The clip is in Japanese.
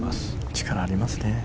力がありますね。